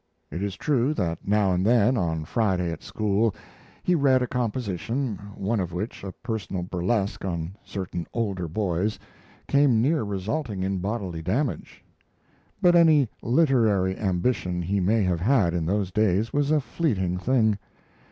It is true that now and then, on Friday at school, he read a composition, one of which a personal burlesque on certain older boys came near resulting in bodily damage. But any literary ambition he may have had in those days was a fleeting thing.